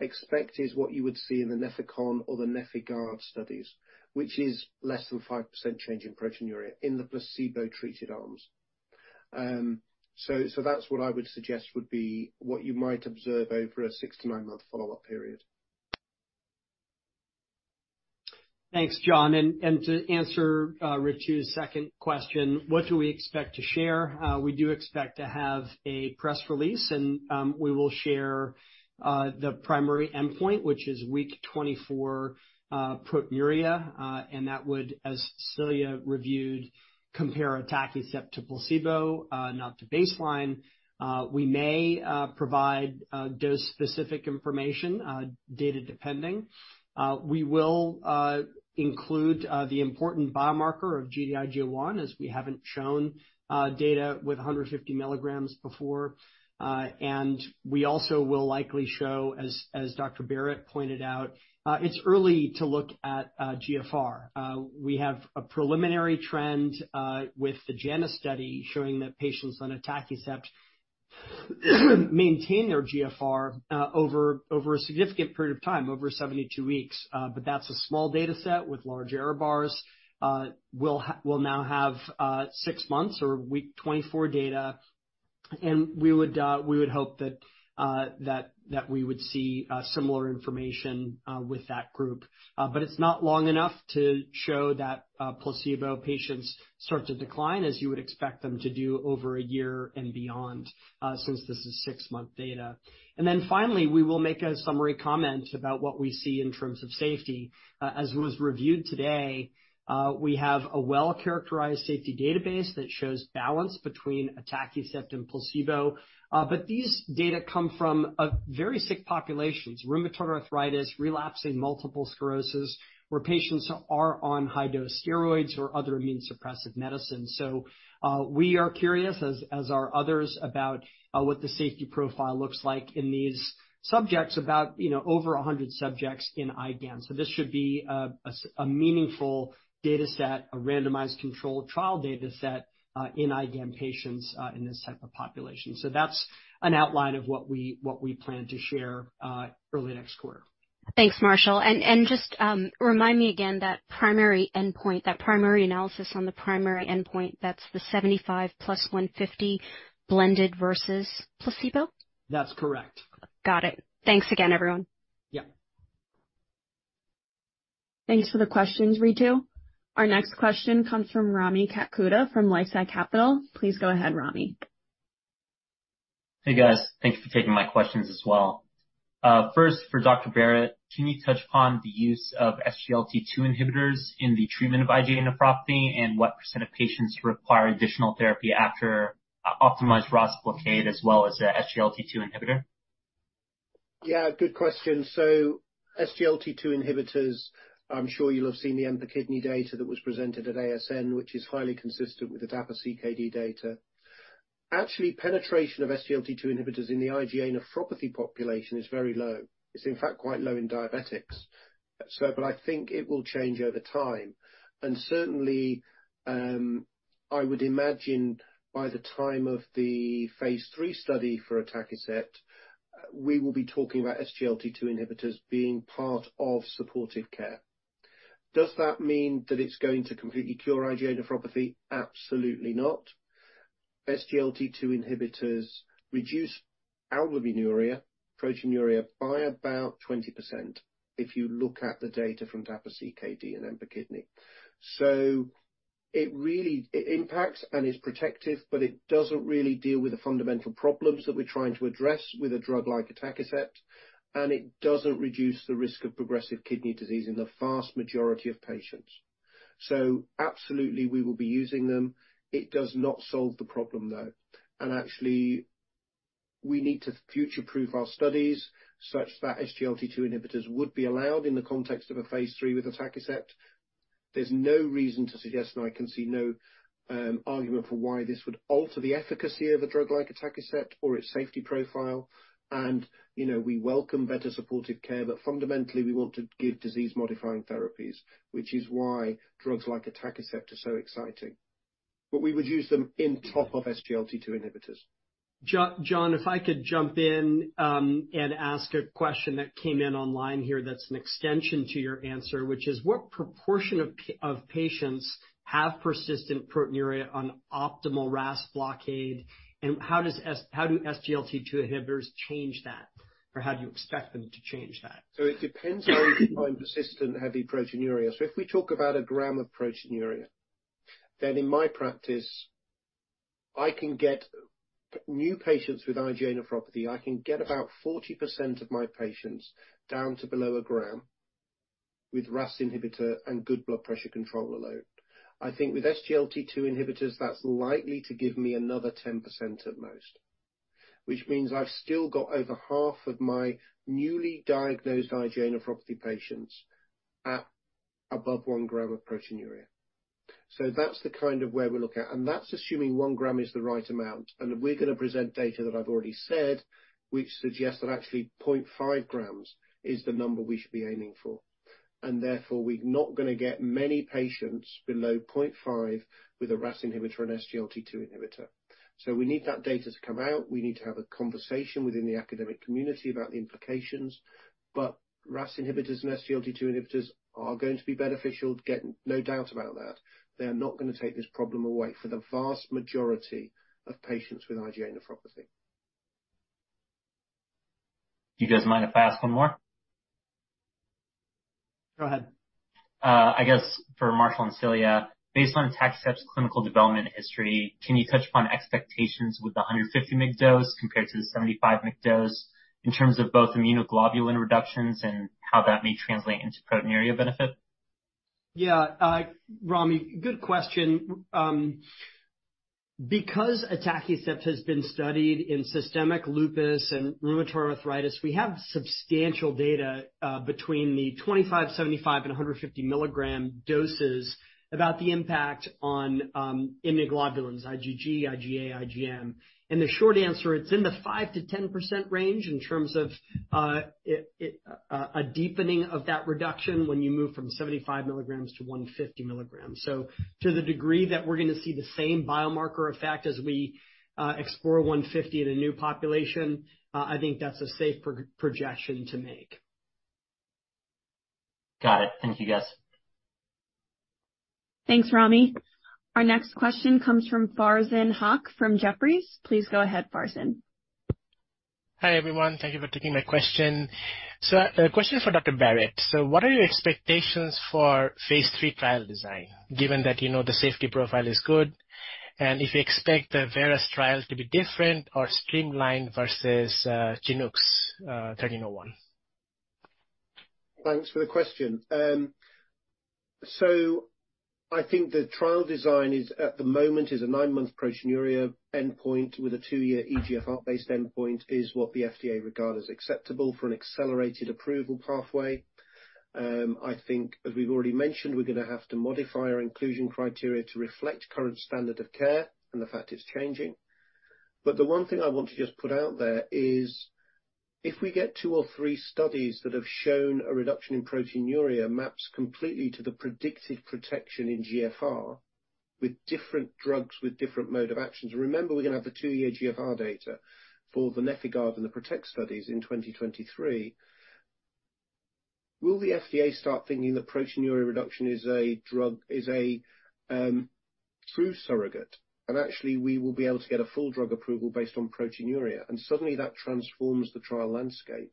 expect is what you would see in the NEFIGAN or the NefIgArd studies, which is less than 5% change in proteinuria in the placebo-treated arms. That's what I would suggest would be what you might observe over a six to nine-month follow-up period. To answer Ritu's second question, what do we expect to share? We do expect to have a press release, we will share the primary endpoint, which is week 24 proteinuria. That would, as Celia reviewed, compare atacicept to placebo, not to baseline. We may provide dose-specific information data depending. We will include the important biomarker of Gd-IgA1, as we haven't shown data with 150 mg before. We also will likely show, as Dr. Barratt pointed out, it's early to look at GFR. We have a preliminary trend with the JANUS study showing that patients on atacicept maintain their GFR over a significant period of time, over 72 weeks. That's a small data set with large error bars. We'll now have six months or week 24 data, and we would hope that we would see similar information with that group. It's not long enough to show that placebo patients start to decline, as you would expect them to do over a year and beyond, since this is six-month data. Finally, we will make a summary comment about what we see in terms of safety. As was reviewed today, we have a well-characterized safety database that shows balance between atacicept and placebo. These data come from very sick populations, rheumatoid arthritis, relapsing multiple sclerosis, where patients are on high-dose steroids or other immunosuppressive medicines. We are curious, as are others, about what the safety profile looks like in these subjects, about, you know, over 100 subjects in IgAN. This should be a meaningful data set, a randomized controlled trial data set in IgAN patients in this type of population. That's an outline of what we plan to share early next quarter. Thanks, Marshall. Just, remind me again that primary endpoint, that primary analysis on the primary endpoint, that's the 75 plus 150 blended versus placebo? That's correct. Got it. Thanks again, everyone. Yeah. Thanks for the questions, Ritu. Our next question comes from Rami Katkhuda from LifeSci Capital. Please go ahead, Rami. Hey, guys. Thank you for taking my questions as well. first for Dr. Barratt, can you touch upon the use of SGLT2 inhibitors in the treatment of IgA nephropathy and what % of patients require additional therapy after optimized RAS blockade as well as a SGLT2 inhibitor? Yeah, good question. SGLT2 inhibitors, I'm sure you'll have seen the EMPA-KIDNEY data that was presented at ASN, which is highly consistent with the DAPA-CKD data. Actually, penetration of SGLT2 inhibitors in the IgA nephropathy population is very low. It's in fact quite low in diabetics. I think it will change over time. Certainly, I would imagine by the time of the phase III study for atacicept, we will be talking about SGLT2 inhibitors being part of supportive care. Does that mean that it's going to completely cure IgA nephropathy? Absolutely not. SGLT2 inhibitors reduce albuminuria, proteinuria by about 20% if you look at the data from DAPA-CKD and EMPA-KIDNEY. It impacts and is protective, but it doesn't really deal with the fundamental problems that we're trying to address with a drug like atacicept, and it doesn't reduce the risk of progressive kidney disease in the vast majority of patients. Absolutely we will be using them. It does not solve the problem, though. Actually, we need to future-proof our studies such that SGLT2 inhibitors would be allowed in the context of a phase III with atacicept. There's no reason to suggest, and I can see no argument for why this would alter the efficacy of a drug like atacicept or its safety profile. You know, we welcome better supportive care, but fundamentally, we want to give disease-modifying therapies, which is why drugs like atacicept are so exciting. We would use them in top of SGLT2 inhibitors. John, if I could jump in, and ask a question that came in online here that's an extension to your answer, which is, what proportion of patients have persistent proteinuria on optimal RAS blockade? How do SGLT2 inhibitors change that? How do you expect them to change that? It depends how you define persistent heavy proteinuria. If we talk about 1 gram of proteinuria, then in my practice, I can get new patients with IgA nephropathy. I can get about 40% of my patients down to below a gram with RAS inhibitor and good blood pressure control alone. I think with SGLT2 inhibitors, that's likely to give me another 10% at most, which means I've still got over half of my newly diagnosed IgA nephropathy patients at above 1 g of proteinuria. That's the kind of where we're looking at. That's assuming 1 g is the right amount, and we're gonna present data that I've already said, which suggests that actually 0.5 g is the number we should be aiming for. Therefore, we're not gonna get many patients below 0.5 g with a RAS inhibitor and SGLT2 inhibitor. We need that data to come out. We need to have a conversation within the academic community about the implications. RAS inhibitors and SGLT2 inhibitors are going to be beneficial, get no doubt about that. They are not gonna take this problem away for the vast majority of patients with IgA nephropathy. Do you guys mind if I ask one more? Go ahead. I guess for Marshall and Celia, based on atacicept's clinical development history, can you touch upon expectations with the 150 mg dose compared to the 75 mg dose in terms of both immunoglobulin reductions and how that may translate into proteinuria benefit? Yeah. Rami, good question. Because atacicept has been studied in systemic lupus and rheumatoid arthritis, we have substantial data between the 25 mg, 75 mg, and 150 mg doses about the impact on immunoglobulins, IgG, IgA, IgM. The short answer, it's in the 5%-10% range in terms of a deepening of that reduction when you move from 75 mg to 150 mg. To the degree that we're gonna see the same biomarker effect as we explore 150 mg in a new population, I think that's a safe projection to make. Got it. Thank you, guys. Thanks, Rami. Our next question comes from Farzin Haque from Jefferies. Please go ahead, Farzin. Hi, everyone. Thank you for taking my question. A question for Dr. Barratt. What are your expectations for phase III trial design, given that you know the safety profile is good? If you expect the Vera's trial to be different or streamlined versus Chinook's 1301. Thanks for the question. I think the trial design is, at the moment, is a nine-month proteinuria endpoint with a two-year eGFR-based endpoint is what the FDA regard as acceptable for an accelerated approval pathway. I think as we've already mentioned, we're gonna have to modify our inclusion criteria to reflect current standard of care and the fact it's changing. The one thing I want to just put out there is if we get two or three studies that have shown a reduction in proteinuria maps completely to the predicted protection in GFR with different drugs, with different mode of actions. Remember, we're gonna have the two-year GFR data for the NefIgArd and the PROTECT studies in 2023. Will the FDA start thinking that proteinuria reduction is a drug, is a true surrogate? Actually, we will be able to get a full drug approval based on proteinuria. Suddenly that transforms the trial landscape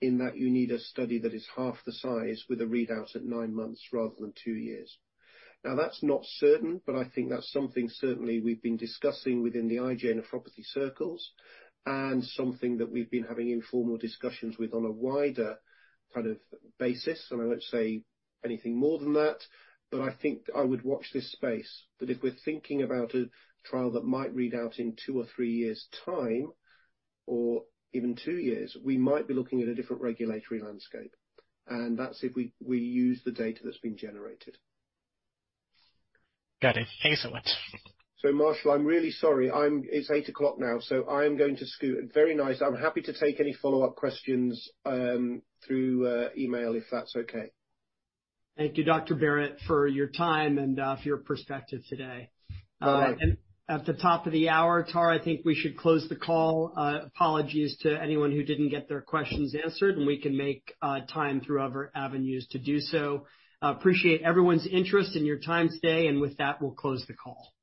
in that you need a study that is half the size with a readout at nine months rather than two years. Now, that's not certain, but I think that's something certainly we've been discussing within the IgA nephropathy circles and something that we've been having informal discussions with on a wider kind of basis. I won't say anything more than that, but I think I would watch this space. That if we're thinking about a trial that might read out in two or three years time or even two years, we might be looking at a different regulatory landscape. That's if we use the data that's been generated. Got it. Thank you so much. Marshall, I'm really sorry. It's 8:00 P.M. now, so I am going to scoot. Very nice. I'm happy to take any follow-up questions, through email, if that's okay. Thank you, Dr. Barratt, for your time and for your perspective today. All right. At the top of the hour, Tara, I think we should close the call. Apologies to anyone who didn't get their questions answered, and we can make time through other avenues to do so. Appreciate everyone's interest and your time today. With that, we'll close the call.